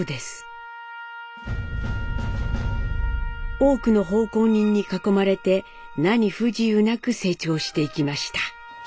多くの奉公人に囲まれて何不自由なく成長していきました。